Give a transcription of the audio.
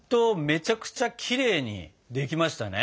めちゃくちゃきれいにできましたね。